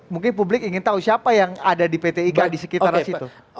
mungkin publik ingin tahu siapa yang ada di pt iga di sekitar situ